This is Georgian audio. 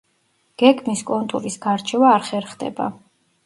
გეგმის კონტურის გარჩევა არ ხერხდება.